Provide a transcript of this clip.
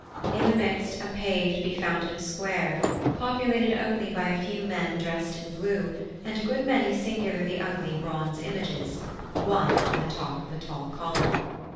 In the midst a paved be fountained square, populated only by a few men dressed in blue, and a good many singularly ugly bronze images (one on the top of a tall column).